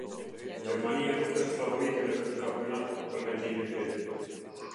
Gjermania nuk është favorite në këtë kampionat për mendimin tim.